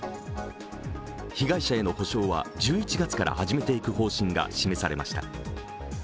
被害者への補償は１１月から初めていく方針が示されました。